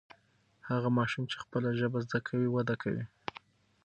هغه ماشوم چې خپله ژبه زده کوي وده کوي.